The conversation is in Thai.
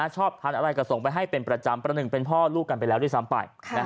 ชอบทานอะไรก็ส่งไปให้เป็นประจำประหนึ่งเป็นพ่อลูกกันไปแล้วด้วยซ้ำไป